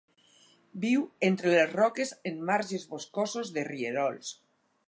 Viu entre les roques en marges boscosos de rierols.